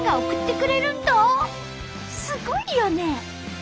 すごいよね！